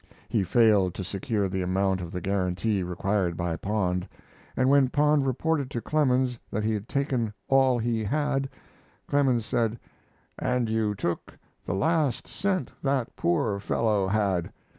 He failed to secure the amount of the guarantee required by Pond, and when Pond reported to Clemens that he had taken "all he had" Clemens said: "And you took the last cent that poor fellow had.